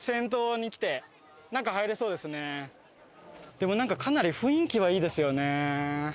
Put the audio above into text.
でもなんかかなり雰囲気はいいですよね。